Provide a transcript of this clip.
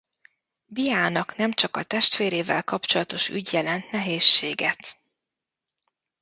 Biának nem csak a testvérével kapcsolatos ügy jelent nehézséget.